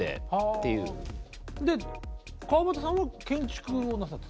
で川畑さんは建築をなさってた？